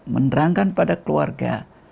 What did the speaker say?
menerangkan pada keluarga